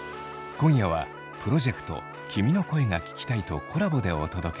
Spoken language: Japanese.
今夜はプロジェクト「君の声が聴きたい」とコラボでお届け。